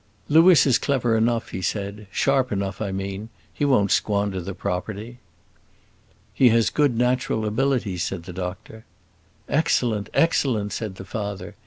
"Louis is clever enough," he said, "sharp enough, I mean. He won't squander the property." "He has good natural abilities," said the doctor. "Excellent, excellent," said the father.